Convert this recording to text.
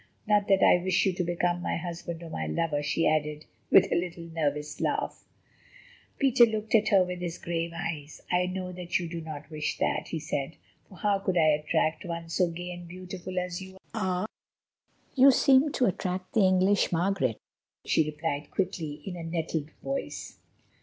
Not that I wish you to become my husband or my lover," she added, with a little nervous laugh. Peter looked at her with his grave eyes. "I know that you do not wish that," he said, "for how could I attract one so gay and beautiful as you are?" "You seem to attract the English Margaret," she replied quickly in a nettled voice.